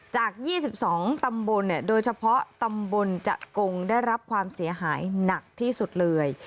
จาก๒๒ตำบลโดยเฉพาะตำบลจะกงได้รับความเสียหายหนักที่สุดเลย